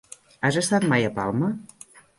Has estat mai a Palma?